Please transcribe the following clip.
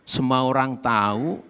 semua orang tahu